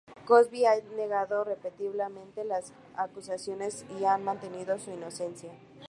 Cosby ha negado repetidamente las acusaciones y ha mantenido su inocencia.